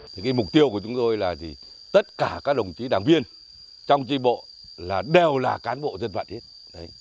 cái mục tiêu của chúng tôi là tất cả các đồng chí đảng viên trong tri bộ đều là cán bộ dân vận